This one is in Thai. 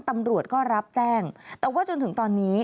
ตำรวจก็รับแจ้งแต่ว่าจนถึงตอนนี้